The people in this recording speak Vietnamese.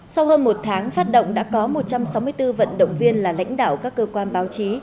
sau hơn một tháng phát động đã có một trăm sáu mươi bốn vận động viên là lãnh đạo các cơ quan báo chí